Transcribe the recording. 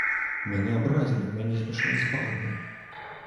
Мяне абразілі, мяне змяшалі з багнай!